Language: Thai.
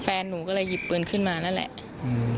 แฟนหนูก็เลยหยิบปืนขึ้นมานั่นแหละ